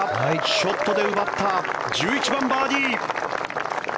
ショットで奪った１１番、バーディー。